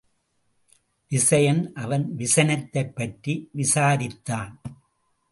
விசயன் அவன் விசனத்தைப் பற்றி விசாரித்தான்.